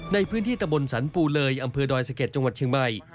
ในพื้นที่ตะบนสรรปูเลยอำเภอดอยสะเก็ดจังหวัดเชียงใหม่